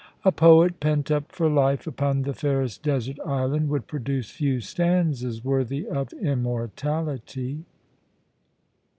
A poet pent up for life upon the fairest desert island would produce few stanzas worthy of immortality.'